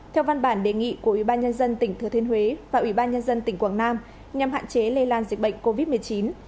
theo văn bản đề nghị của ủy ban nhân dân tỉnh thừa thiên huế và ủy ban nhân dân tỉnh quảng nam nhằm hạn chế lây lan dịch bệnh covid một mươi chín